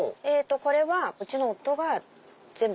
これはうちの夫が全部。